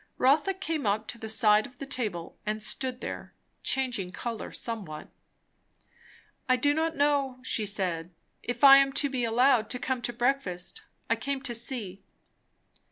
Rotha came up to the side of the table and stood there, changing colour somewhat. "I do not know," she said, "if I am to be allowed to come to breakfast. I came to see."